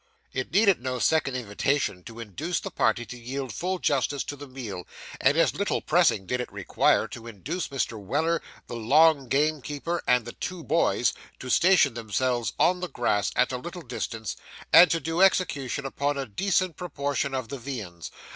It needed no second invitation to induce the party to yield full justice to the meal; and as little pressing did it require to induce Mr. Weller, the long gamekeeper, and the two boys, to station themselves on the grass, at a little distance, and do good execution upon a decent proportion of the viands.